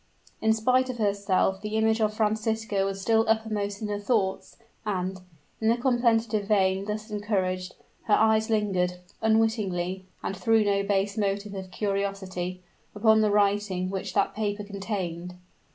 In spite of herself the image of Francisco was still uppermost in her thoughts; and, in the contemplative vein thus encouraged, her eyes lingered, unwittingly and through no base motive of curiosity upon the writing which that paper contained.